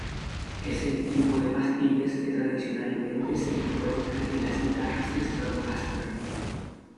Es el tipo de pastillas que tradicionalmente se encuentra en las guitarras Stratocaster.